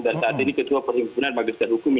dan saat ini ketua perhimpunan bagi sejarah hukum